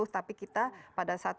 empat puluh tapi kita pada saat